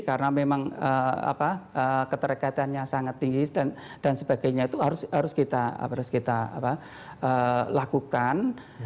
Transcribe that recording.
karena memang keterekatannya sangat tinggi dan sebagainya itu harus kita lakukan